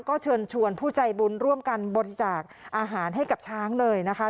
ก็เชิญชวนผู้ใจบุญร่วมกันบริจาคอาหารให้กับช้างเลยนะคะ